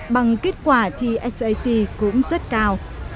bằng kết quả thi sat cũng rất cao